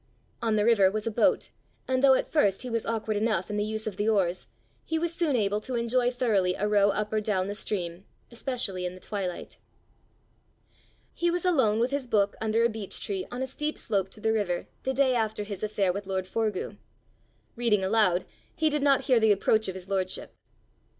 On the river was a boat, and though at first he was awkward enough in the use of the oars, he was soon able to enjoy thoroughly a row up or down the stream, especially in the twilight. He was alone with his book under a beech tree on a steep slope to the river, the day after his affair with lord Forgue: reading aloud, he did not hear the approach of his lordship. "Mr.